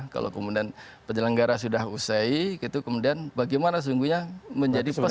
kalau kemudian penyelenggara sudah usai gitu kemudian bagaimana sesungguhnya menjadi peserta